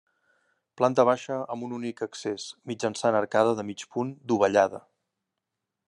Planta baixa amb un únic accés, mitjançant arcada de mig punt dovellada.